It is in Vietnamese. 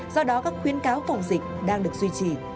do đó các khuyến cáo phòng dịch đang được duy trì